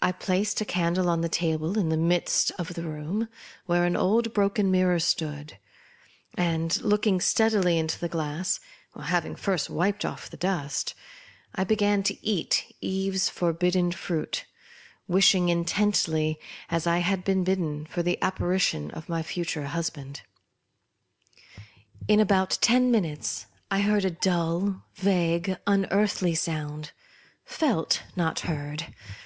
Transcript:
I placed the candle on a table in the midst of the room, where an old broken mirror stood ; and, look ing steadily into the glass (having first wiped off the dust), I began to eat Eve's forbidden fruit, wishing intently, as I had been bidden, for the apparition of my future husband. In about ten minutes I heard a dull, vague, unearthly sound ; felt, not heard.